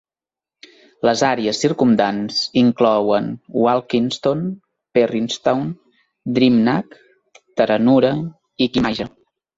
Les àrees circumdants inclouen Walkinstown, Perrystown, Drimnagh, Terenure i Kimmage.